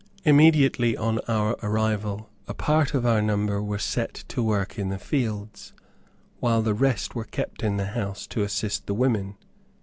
Immediately on our arrival a part of our number were set to work in the fields, while the rest were kept in the house to assist the women.